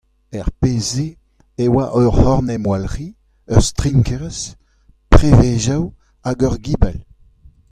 Er pezh-se e a oa ur c’horn-emwalc’hiñ, ur strinkerez, privezioù hag ur gibell.